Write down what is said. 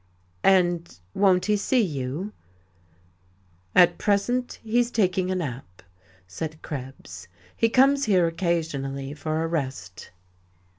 "And won't he see you?" "At present he's taking a nap," said Krebs. "He comes here occasionally for a rest."